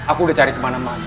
aku udah cari kemana mana